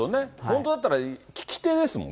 本当だったら聞そうです。